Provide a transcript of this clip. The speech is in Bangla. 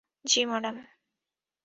জ্বী, ম্যাডাম।